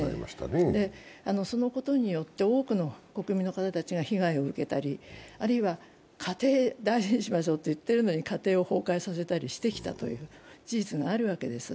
そのことによって多くの国民の方たちが被害を受けたりあるいは家庭を大事にしましょうと言ってるのに、家庭を崩壊させてきたという事実があるわけです。